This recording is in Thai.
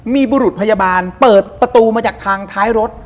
มีบุรุษพยาบาลเปิดประตูมาจากทางท้ายรถ